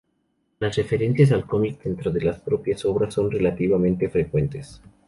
Las referencias al cómic dentro de las propias obras son relativamente frecuentes.